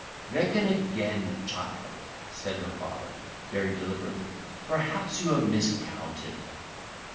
"Reckon again, child," says her father, very deliberately; "perhaps you have miscounted."